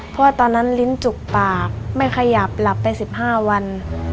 เพราะว่าตอนนั้นลิ้นจุกปากไม่ขยับหลับไป๑๕วัน